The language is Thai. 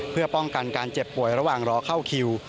เพื่อป้องกันการเจ็บป่วยระหว่างรอเข้าคิว